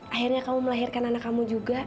akhirnya kamu melahirkan anak kamu juga